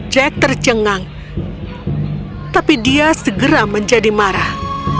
jack tercengang tapi dia segera menjadi marah